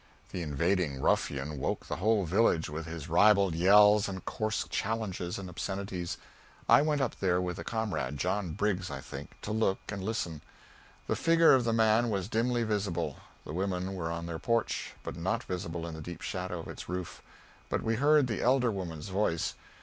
The invading ruffian woke the whole village with his ribald yells and coarse challenges and obscenities. I went up there with a comrade John Briggs, I think to look and listen. The figure of the man was dimly risible; the women were on their porch, but not visible in the deep shadow of its roof, but we heard the elder woman's voice.